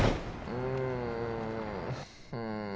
うん。